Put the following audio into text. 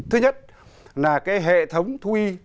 thứ nhất là hệ thống thu nhiễm